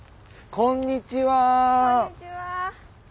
こんにちは。